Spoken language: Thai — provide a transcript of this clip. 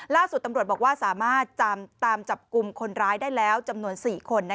ล่าสุดตำรวจบอกว่าสามารถตามจับกลุ่มคนร้ายได้แล้วจำนวน๔คน